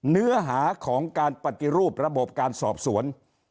เนื้อหาของการปฏิรูประบบการสอบสวน